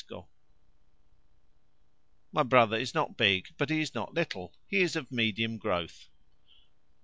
13. My brother is not big, but he is not little, he is of medium growth.